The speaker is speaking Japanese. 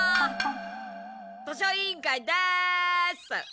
図書委員会です！